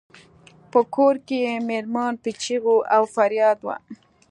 په کور کې یې میرمن په چیغو او فریاد وه.